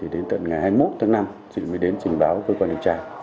đến tận ngày hai mươi một tháng năm thịnh mới đến trình báo cơ quan điều tra